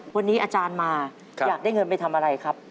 วันนี้อาจารย์มาอยากได้เงินไปทำอะไรครับ